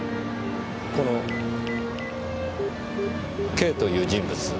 このＫという人物。